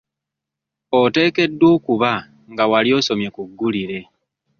Oteekeddwa okuba nga wali osomye ku ggulire.